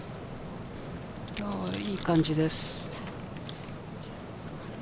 いい感じです。